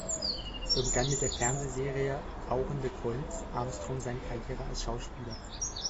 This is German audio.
So begann mit der Fernsehserie "Rauchende Colts" Armstrong seine Karriere als Schauspieler.